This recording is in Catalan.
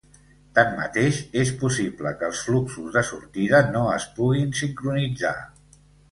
Tanmateix, és possible que els fluxos de sortida no es puguin sincronitzar.